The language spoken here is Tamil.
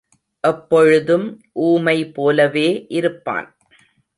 எப்பொழுதும் ஊமை போலவே இருப்பான்.